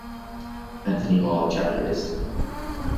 Anthony Hall chapter list.